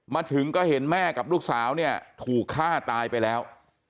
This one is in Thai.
มาถึงก็เห็นแม่กับลูกสาวเนี่ยถูกฆ่าตายไปแล้ว